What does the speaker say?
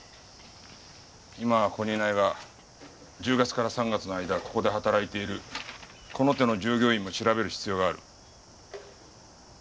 今はここにいないが１０月から３月の間ここで働いているこの手の従業員も調べる必要がある。